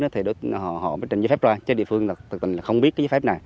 thì họ mới trình giấy phép ra chứ địa phương thực tình không biết giấy phép này